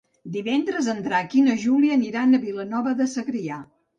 Divendres en Drac i na Júlia aniran a Vilanova de Segrià.